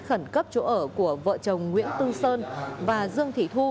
khẩn cấp chỗ ở của vợ chồng nguyễn tư sơn và dương thị thu